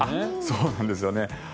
そうなんですよね。